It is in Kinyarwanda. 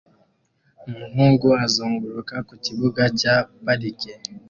Umuhungu azunguruka ku kibuga cya parike